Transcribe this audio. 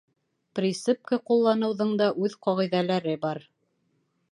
Присыпка ҡулланыуҙың да үҙ ҡағиҙәләре бар.